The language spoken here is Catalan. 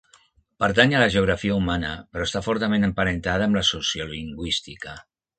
Pertany a la geografia humana però està fortament emparentada amb la sociolingüística.